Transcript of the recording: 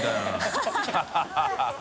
ハハハ